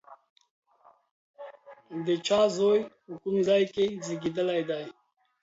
د چا زوی، په کوم ځای کې زېږېدلی دی؟